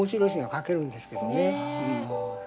時々あるんですけどね。